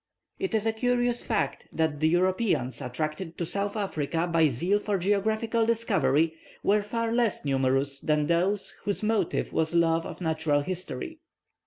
It is a curious fact that the Europeans attracted to South Africa by zeal for geographical discovery, were far less numerous than those whose motive was love of natural history.